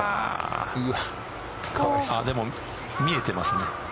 でも見えてますね。